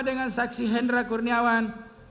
dengan saksi hendra kurniawan